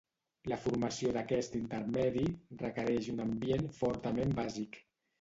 La formació d'aquest intermedi requereix un ambient fortament bàsic.